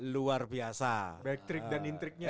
luar biasa back trick dan intriknya